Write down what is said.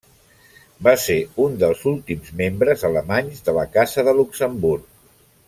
Va ser un dels últims membres alemanys de la Casa de Luxemburg.